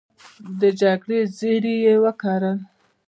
د جګړې زړي یې وکرل